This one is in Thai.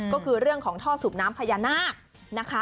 ก็คือเรื่องของท่อสูบน้ำพญานาคนะคะ